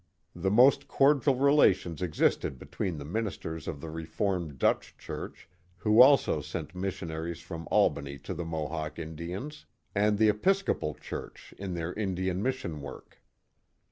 The most cordial relations existed between the ministers of the Reformed Dutch Church, who also sent mis sionaries from Albany to the Mohawk Indians, and the Epis copal Church in their Indian mission work.